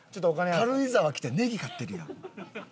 軽井沢来てネギ買ってるやん。